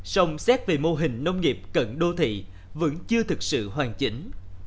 sông xét về mô hình nông nghiệp cận đô thị vẫn chưa thực sự hoàn chỉnh